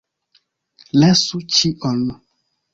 Lasu ĉion!